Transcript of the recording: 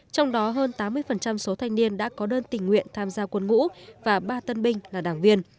trong đó hơn tám mươi số thanh niên đã có đơn tình nguyện tham gia quân ngũ và ba tân binh là đảng viên